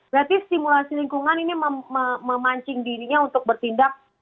berarti simulasi lingkungan ini memancing dirinya untuk bertindak